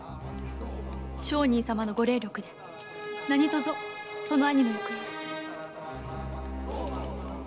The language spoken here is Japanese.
上人様のご霊力で何卒その兄の行方を。